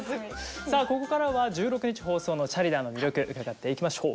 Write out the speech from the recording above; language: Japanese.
さあここからは１６日放送の「チャリダー★」の魅力伺っていきましょう。